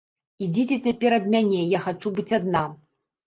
Ідзіце цяпер ад мяне, я хачу быць адна.